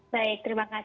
baik terima kasih